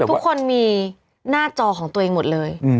ทุกคนมีหน้าจอของตัวเองหมดเลย